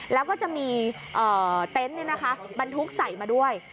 แล้วก็จะมีเต็นต์บรรทุกใส่มาด้วย